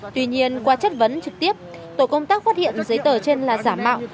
tuy nhiên qua chất vấn trực tiếp tổ công tác phát hiện giấy tờ trên là giả mạo